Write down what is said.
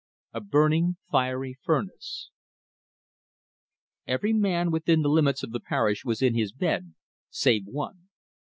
A BURNING FIERY FURNACE Every man within the limits of the parish was in his bed, save one.